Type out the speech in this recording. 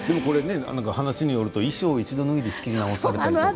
話によると衣装を一度脱いで仕切り直されたと。